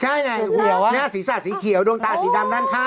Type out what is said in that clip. ใช่ไงหน้าศีรษะสีเขียวดวงตาสีดำด้านข้าง